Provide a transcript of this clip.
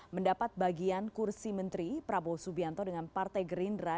mendapat bagian kursi menteri prabowo subianto dengan partai gerindra